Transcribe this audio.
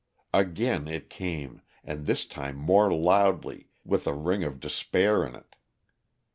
Again it came, and this time more loudly, with a ring of despair in it.